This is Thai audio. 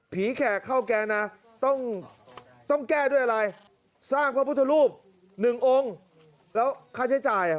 แขกเข้าแกนนะต้องแก้ด้วยอะไรสร้างพระพุทธรูปหนึ่งองค์แล้วค่าใช้จ่าย